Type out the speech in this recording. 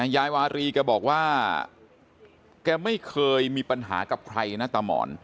ยายวารีแกบอกว่าแกไม่เคยมีปัญหากับใครนะตามหมอน